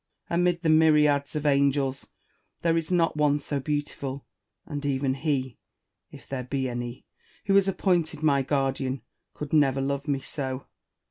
Amid the myriads of angels, there is not one so beautiful ; and even he (if there be any) who is appointed my guardian could never love me so.